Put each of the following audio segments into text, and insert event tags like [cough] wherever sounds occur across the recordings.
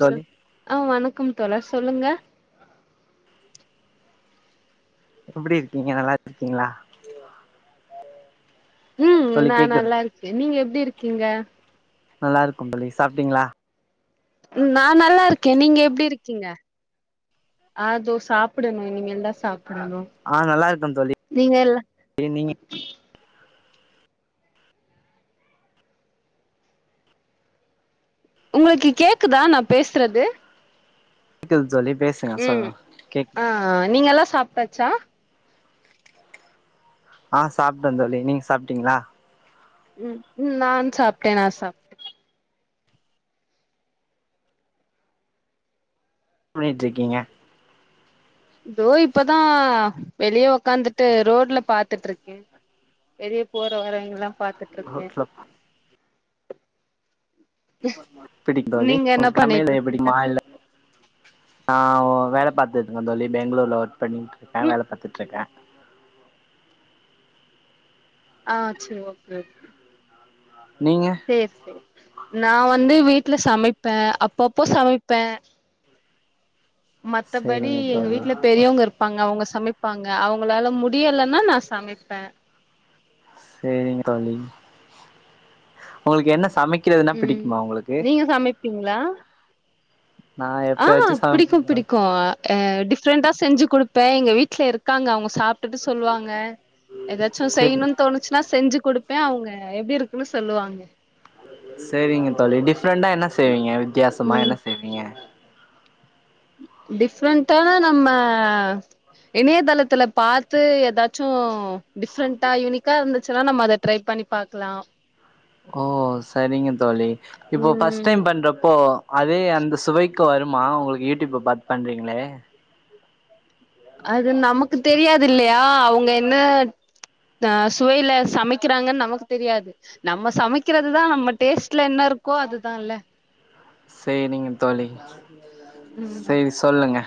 தோழி சார் ஆ வணக்கம் தோழர் சொல்லுங்க எப்டி இர்க்கீங்க நல்லா இர்க்கீங்ளா ம் தோழி நா கேக்குது நல்லா இருக்க நீங்க எப்டி இருக்கீங்க நல்லாருக்கம் தோழி சாப்ட்டீங்ளா ம் நா நல்லா இருக்கே நீங்க எப்டி இருக்கீங்க அ தொ சாப்டனு இனிமேல் தா சாப்டனு ஆ நல்லா இருக்கேன் தோழி நீங்க எல்லா நீங்க உங்களுக்கு கேக்குதா நா பேசுறது க்குது தோழி பேசுங்க சொல் ம் லுங்க கேக் ஆ நீங்கல்லா சாப்ட்டாச்சா ஆ சாப்ட்டே தோழி நீங்க சாப்ட்டீங்ளா ம் நா சாப்ட்டே நா சாப்ட்டே என்ன பண்ணிட்டு இர்க்கீங்க தோ இப்பதா வெளியே ஒக்காந்துட்டு ரோட்ல பாத்துட்டு இர்க்கே வெளிய போற வரவங்கலா பாத்துட்டு இருக்கே எப்டி தோழி நீங்க என்ன ஒங்க பண்ணிட்டு சமையல் இருக்கீங்க [unintelligible] நா வேல பாத்துட்டு இருக்கே தோழி பெங்ளூர்ல ஒர்க் பண்ணிட்டு இருக்கே ம் வேல பாத்துட்டு இருக்கே ஆ செரி ஓகே நீங்க சேர் நா வந்து வீட்ல சமைப்பே அப்பப்போ சமைப்பே மத்தபடி சேரிங்க எங்க தோழி வீட்ல பெரியவங்க இரு ப்பாங்க அவுங்க சமைப்பாங்க அவுங்களால முடியலன்னா நா சமைப்பே சேரிங் தோழி உங்களுக்கு என்ன சமைக் ம் நீங்க சமைப்பீங்ளா நா ஆ எப்பயாச்சும் பிடிக்கு சமைப்பேன் பிடிக்கு ஆ டிஃப்ரெண்டா செஞ்சு குடுப்பே எங்க வீட்ல இருக்காங்க அவுங்க சாப் ட்டுட்டு சொல்லுவாங்க ஏதாச்சு தோழி சேரி செய்யனுனு தோணுச்சுன்னா செஞ்சு குடுப் ப்பே அவுங்க எப்டி இருக்குன்னு சொல்லுவாங்க செரிங்க தோழி டிஃப்ரெண்டா என்ன செய்வீங்க வித்தியாசமா ம் என்ன செய்வீங்க டிஃப்ரெண்ட்டா நம்ம இணையதளத்துல பாத்து ஏதாச்சு டிஃப்ரெண்டா யூனிக்கா இருந்துச்சுனா நம்ம அத ட்ரை பண்ணி பாக்கலா ஓ செரிங்க தேழி இப்போ ஃபஸ்ட் ம் டைம் பன்றப்போ அதே அந்த சுவைக்கு வருமா உங்களுக்கு யூடிப்ப பாத்து பண்றீங்ளே அது நமக்கு தெரியாது இல்லயா அவுங்க என்ன ஆ சுவைல சமைக்கிறாங்கன்னு நமக்கு தெரியாது நம்ம சமைக்கிறதுதா நம்ம டேஸ்ட்ல என்ன இருக்கோ அதுதால்ல சேரிங்க தோழி ம் சேரி சொல்லுங்க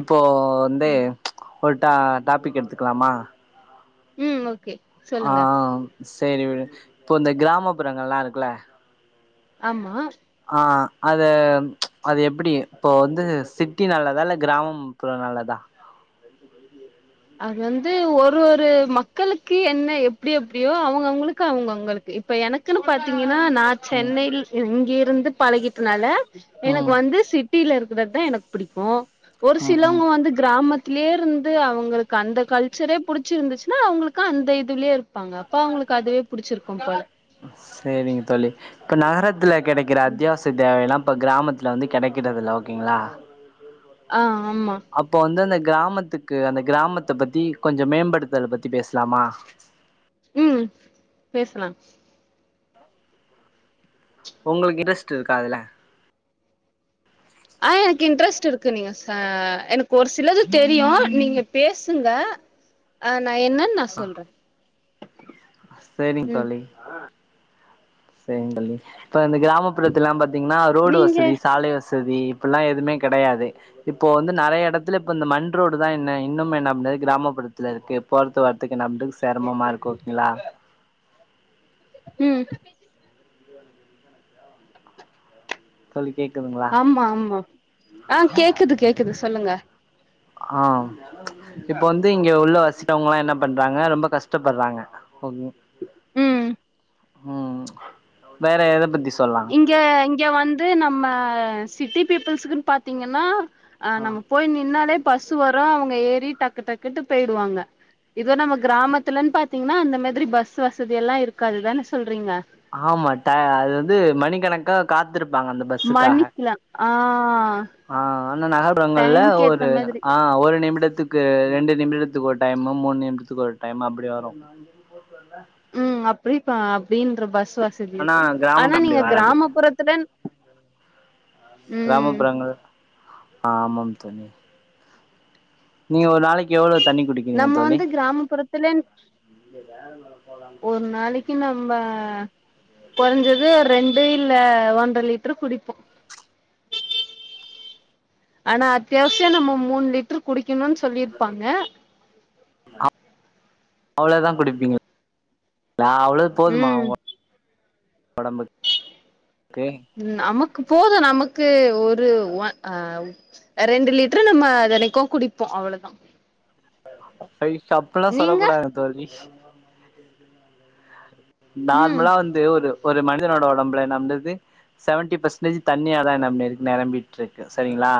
இப்போ வந்து ஒரு டா டாபிக் எடுத்துக்கலாமா ம் ஓகே ஆ சொல்லுங்க செரி விடு இப்போ இந்த கிராமப்புறங்கள்லா இருக்குல்ல ஆமா ஆ அது அது எப்டி இப்போ வந்து சிட்டி நல்லதா இல்ல கிராமம் ப்புற நல்லதா அது வந்து ஒரு ஒரு மக்களுக்கு என்ன எப்டி எப்டியோ அவுங்கவுங்களுக்கு அவுங்கவுங்களுக்கு இப்ப எனக்குன்னு பாத்தீங்கனா நா ம் சென்னையில் இங்கிருந்து பழகிட்டனால எனக்கு ம் வந்து சி ட்டில இருக்கிறது தா எனக்கு பிடிக்கு ஒரு ம் ம் சிலவங்க வந்து கிராமத்திலே இருந்து அவுங்களுக் அந்த கல்ச்சரே புடிச்சிருந்துச்சுன்னா அவங்களுக்கு அந்த இதுலயே இருப்பாங்க அப்ப அவங்களுக்கு அதுவே புடிச்சிருக்கு ப சேரிங் தோழி இப்ப நகரத்துல கெடைக்கிற அத்தியாவசிய தேவெல்லா இப்ப கிராமத்துல வந்து கெடைக்கறிறது இல்ல ஓகேங்களா ஆ ஆமா அப்போ வந்து அந்த கிராமத்துக்கு அந்த கிராமத்த பத்தி கொஞ்சோ மேம்படுத்துறத பத்தி பேசலாமா ம் பேசலா உங்களுக்கு இன்டரஸ்ட் இருக்கா அதுல ஆ எனக்கு இன்ட்ரெஸ்ட் இருக்கு நீங்க சா எனக்கு ஒரு சிலது தெரியு நீங்க பேசுங்க ஆ நா என்னன் நா சொல்றே சரிங் ம் தோழி சரிங் தோழி இப்ப இந்த கிராமப்புறத்துல்லா பாத்தீங்கன்னா ரோடு நீங்க வசதி சாலை வ சதி இப்பில்லா எதுவுமே கெடையாது இப்போ வந்து நெறைய எடத்துல இப்ப இந்த மண் ரோடு தா இன்ன இன்னுமே நம்டைய கிராமப்புறத்துல இருக்கு போரத்த வரத்துக்கு நம்ட செரமமா இருக்கோகெலா ம் தோழி கேக்குதுங்களா ஆமா ஆமா ஆ கேக்குது கேக்குது சொல்லுங்க ஆ இப்ப வந் து இங்க உள்ள வசிக்கவங்கலா என்ன பண்றாங்க ரொம்ப கஷ்டப்படுறாங்க ஓகேங் ம் ம் வேற எத பத்தி சொல்லா இங்க இங்க வந்து நம்ம சிட்டி பீப்புள்ஸ்குன் பாத்தீங்கன்னா ஆ நம்ம போய் நின்னாலே பசு வரு அவுங்க ஏறி டக்கு டக்குன்ட்டு போயிடுவாங்க இதே நம்ம கிராமத்துலன் பாத்தீங்கன்னா இந்த மாதிரி பஸ் வசதி எல்லா இருக்காதுதானே சொல்றீங்க ஆமா டா அது வந்து மணிகணக்கா காத்துருப்பாங்க அந்த பஸ்ஸுக்காக மணிக்கலா ஆ ஆ ஆனா நகர்புறங்கள்ல டைம்க்கு ஏத்த ஒரு மாதிரி ஆ ஒரு நிமிடத்துக் கு ரெண்டு நிமிடத்துக்கு ஒரு டைமு மூணு நிமிடத்துக்கு ஒரு டைம் அப்டி வரு ம் அப்டிப்ப அப்டின்ற பஸ் வச் சதி ஆனா இருக்கு கிராமம் ஆனா அப்டி நீங்க வராது கிராமப்புறத்துல ம் கிராமப்புறங்கள் ஆ ஆமாம் தோழி நீங்க ஒரு நாளைக்கு எவ்ளோ தண்ணி குடிக்கிறீங்க நம்ம வந்து கிராமப்புறத்துல இல்ல வேல மல போலான் ஒரு நாளைக்கு நம்ம கொறஞ்சது ரெண்டு இல்ல ஒன்ற லிட்ரு குடிப்போ ஆனா அத்தியாவசிய நம்ம மூண் லிட்டர் குடிக்கணுனு சொல்லியிருப்பாங்க அ அவ்ளோதா குடுப்பீங்களா நா அவ்ளோவு போதுமா ம் உங்க ஒடம்பு தே நமக்கு போது நமக்கு ஒரு வ ஆ ரெண்டு லிட்ரு நம்ம தெனிக்கு குடிப்போ அவ்வளதா சை சப்பிளா சொல்ல நீங்க கூடாது தோழி ம் நார்மலா வந்து ஒரு மனிதனோட ஒடம்புல நெம்றது செவன்டி பெர்சன்டேஜ் தண்ணியா தா நம்பி நெரம்பிட்ருக்கு சரிங்களா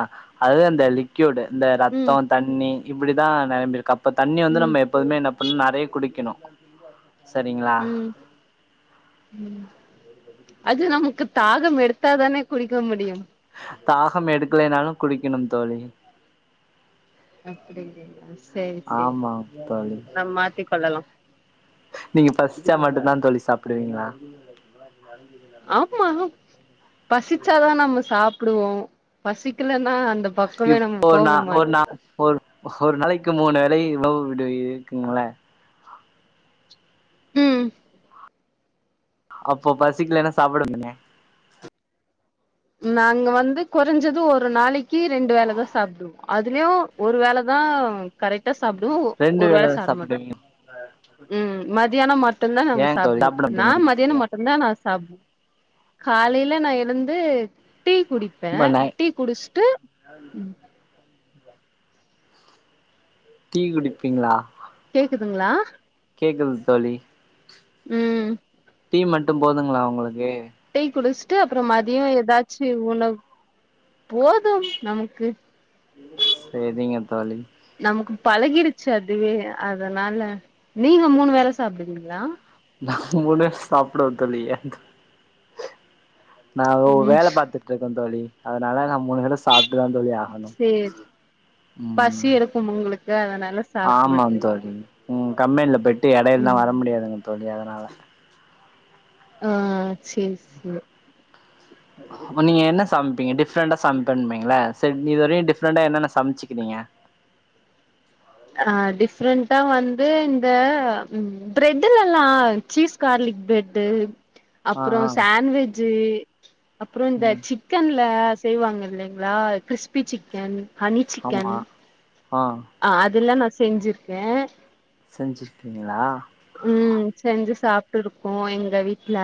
அதுவு அந்த லி குவிட் இந்த ம் ரத்தோ தண்ணி இப்டிதா நரம்பி இருக்கு அப்ப தண்ணி வந்து ம் நம்ப எ ப்போதுமே என்ன பண்ணு நறைய குடிக்கணு சரிங்களா ம் அது நமக்கு தாகம் எடுத்தாதானே குடிக்க முடியு தாகம் எடுக்கலைனாலு குடிக்கணும் தோழி அப்படிங்களா சேரி சேரி ஆமா தோழி நம் மாத்திக் கொள்ளலாம் நீங்க பசிச்சா மட்டு தா தோழி சாப்டுவீங்களா ஆமா பசிச்சாதா நம்ம சாப்டுவோ பசிக்கலன்னா அந்த பக்கமே நம்ம இப்போ போக நா மாட் ஒரு நா ஒரு ஒரு நாளைக்கு மூணு வேல உணவு விடுவி இருக்குங்கலா ம் அப்போ பசிக்கலனா சாப்டாத்திங்க நாங்க வந்து கொறஞ்சது ஒரு நாளைக்கு ரெண்டு வேலைதா சாப்டுவோ அதுலயும் ஒரு வேலதா கரெக்டா சாப்டுவோ ரெண்டு ஒரு வேல சாப்பிட மாட்டோ சாப்டுவீங்க ம் மதியானம் மட்டும்தா நாங்க ஏன் தோழி சாப்டுவோ சாப்ட நா மதியான மாட்டீங்களா மட்டுதா நா சாப் காலையில நா எழுந்து டீ குடிப்ப ரொம்ப நை டீ குடிச்சுட்டு ம் டீ குடிப்பீங்களா கேக்குதுங்களா கேக்குது தோழி ம் டீ மட்டும் போதுங்களா உங்களுக்கு டீ குடிச்சுட்டு அப்பற மதிய ஏதாச்சு உணவு போதும் நமக்கு சேரிங்க தோழி நமக்கு பழகிருச்சு அதுவே அதனால நீங்க மூணு வேல சாப்டுவிங்களா நா மூணு வேல சாப்டுவ தோழி எ நா ஒரு ம் வேல பாத்துட்டு இருக்க தோழி அதனால நா மூணு வேல சாப்ட்டுதா தோழி ஆகணு சேர் பசி ம் எடுக்கும் உங்களுக்கு அதனால ஆமாம் சாப்டுறீங்க தோழி ம் கம்பெனில போயிட்டு எடையில்ல லா வர முடியாதுங்க தோழி அதனால ஆஹ் சேரி சேரி அப்ப நீங்க என்ன சமைப்பீங்க டிஃப்ரெண்டா சமைப்பன்பிங்கள சரி நீ இது வரையும் டிஃப்ரெண்டா என்னென்ன சமைச்சுக்கிறீங்க ஆ டிஃப்ரெண்டா வந்து இந்த ம் பிரெட்ல எல்லா சீஸ் கார்லிக் பிரெட்டு ஆ அப்பற ஆ சாண்ட்வெஜ் அப்பற இந்த சிக் ம் சிக்கன்ல செய்வாங்க இல்லிங்களா கிறிஸ்பி சிக்கன் ஆமா ஆ ஆஹ் அதெல்லா நா செஞ்சிருக்க செஞ்சிருக்கீங்களா ம் செஞ்சு சாப்ட்டு இருக்கோ எங்க வீட்டு்ல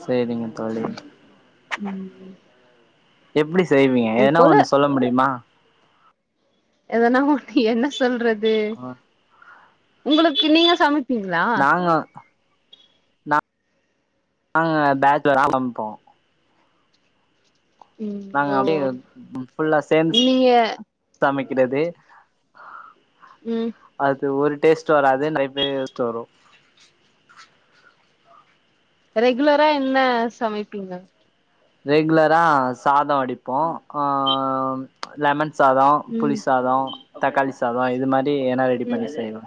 சேரிங்க தோழி ம் எப்டி செய்வீங்க இது ஏதுன்னா போல ஒண்ணு சொல்ல முடியுமா எதன்னா ஒண்ணு என்ன சொல்றது உங்களுக்கு நீங்க சமைப்பிங்களா அ நாங்க பேட்ச்லரா சமப்போ ம் நாங்க ஓ அப்டியே ஃபுல்லா சேர்ந்து நீங்க சமைக்கிறது ம் அது ஒரு டேஸ்ட் வராது நெறைய பே டேஸ்ட் வரு ரெகுலரா என்ன சமைப்பீங்க ரெகுலரா சாத வடிப்போ ஆ லெமன் சாதம் புளி ம் சாத தக்காளி சாத இது மாதிரி ஏதுன்னா ரெடி பண்ணி செய்வோ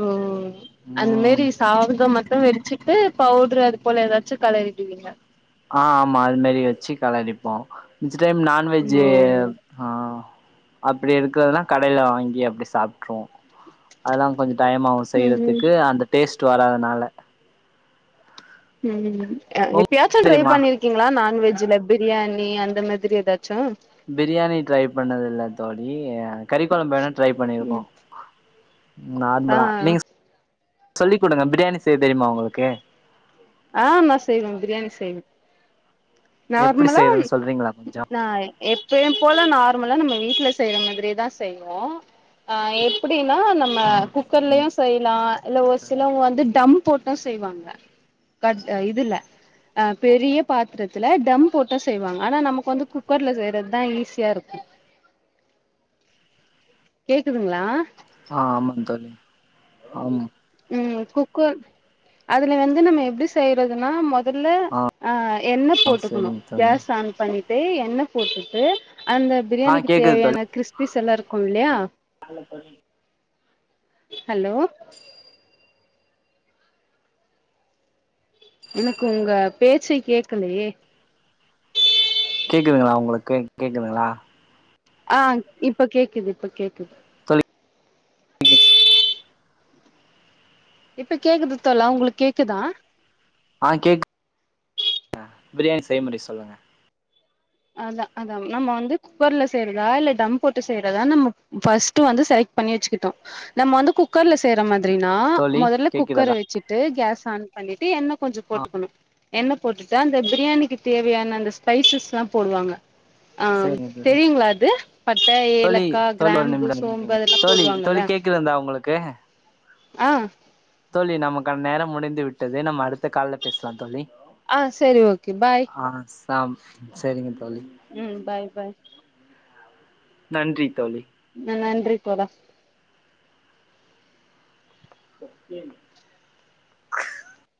ஓ அந்த ம் மேரிஸ் சாதத்தமட்டும் வெடிச்சிட்டு பவுட்ரு அது போல ஏதாச்சு கலரிடுவீங்க ஆ ஆமா அது மேரி வச்சி கலடிப்போ மிச்ச டைம் நான்வெஜ்ஜி ஓ ஆ அப்டி இருக்கிறதுனா கடைல வாங்கி அப்டி சாப்ட்ருவோ அதெல்லா கொஞ்சோ டைம் ஆவு ம் செய்றதுக்கு அந்த டேஸ்ட் வராதனால ம் அ எப்பயாச்சு உங்களுக்கு ட்ரை தெரியுமா பண்ணிருக் கிங்ளா நான்வெஜ்ல பிரியாணி அந்த மாதிரி எதாச்சு பிரியாணி ட்ரை பண்ணது இல்லத்தோழி அ கறிக்கொழம்பு வேணா ட்ரை பண்ணிருக்கோ ம் நார்மலா ஆ நீங்க சொ சொல்லி குடுங்க பிரியாணி செய்ய தெரியுமா உங்களுக்கு ஆ நா செய்வே பிரியாணி செய்வே எப்டி நார்மலா செய்யறதுன்னு சொல்றீங்களா கொஞ்சோ நா எப்பயும் போல நார்மலா நம்ம வீட்ல செய்ற மாதிரியே தா செய்வோ ஆ எப்டின்னா நம் ம ஆ சரிங்க குக்கர்லயு செய்லா இல்ல ஒரு சிலவங்க வந்து டம் போட்டூ செய்வாங்க கட் அ இதுல்ல அ பெரிய பாத்திரத்தில டம் போட்டூ செய்வாங்க ஆனா நமக்கு வந்து குக்கர்ல செய்றது தா ஈஸியா இருக்கூ கேக்குதுங்ளா ஆ ஆமா தோழி அம் ம் குக்கர் அதுல வந்து நம்ம எப்டி செய்றதுனா மொதல்ல ஆ அ எண்ணெ போட்டுக்குணு சரிங்க தோழி கேஸ் ஆன் பண்ணிட்டு எண்ணெ போட்டுட்டு அந்த ஆ பிரியாணிக்கு கேக்குது தோழி தேவையான க்றிஸ் பீஸ் எல்லா இருக்கு இல்லியா ஹலோ எனக்கு உங்க பேச்சே கேக்கலயே கேக்குதுங்களா உங்களுக்கு கேக்குதுங்களா ஆ இப்ப கேக்குது இப்ப கேக்குது தோழி [inaudible] இப்ப கேக்குது தோழா உங்களுக் கேக்குதா ஆ கேக் அ பிரியாணி செய்முறை சொல்லுங்க அதா அதாம் நம்ம வந்து குக்கர்ல செய்றதா இல்ல டம் போட்டு செய்றதா நம்ம பஸ்ட் வந்து‌ செலக்ட் பண்ணி வச்சிக்கிட்டோ நம்ம வந்து குக் கர்ல செய்ற மாதிரினா தோழி மொதல்ல குக்கர கேக்குறதா வச்சிட்டு கேஸ் ஆன் பண்ணிட்டு எண்ண கொஞ்சோ ஆ போட்டுக்குணு எண்ண போட்டுட்டு அந்த பிரியாணிக்கு தேவையான அந்த ஸ்பைசஸ்லாம் போடுவாங்க ஆம் சரிங்க தெரியுங்ளா அது பட்ட தோழி ஏலக்கா கிராம்பு சோம்பு அதெல்லா போடுவாங்கல்ல க்கிலந்தா அவுங்களுக்கு ஆ தோழி நமக்கான நேரம் முடிந்து விட்டது நம்ம அடுத்த கால்ல பேசலாந் தோழி ஆ செரி ஓகே பாய் ஆ சாம் சரிங்க தோழி ம் பாய் பாய் நன்றி தோழி ந நன்றி தோழா ஒகே